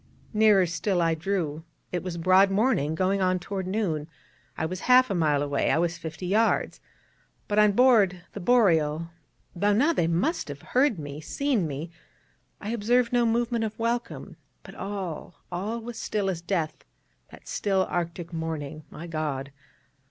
Nearer still I drew: it was broad morning, going on toward noon: I was half a mile away, I was fifty yards. But on board the Boreal, though now they must have heard me, seen me, I observed no movement of welcome, but all, all was still as death that still Arctic morning, my God.